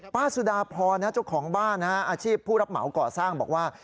สุดาพรเจ้าของบ้านอาชีพผู้รับเหมาก่อสร้างบอกว่า